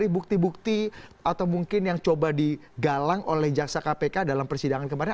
bukti bukti atau mungkin yang coba digalang oleh jaksa kpk dalam persidangan kemarin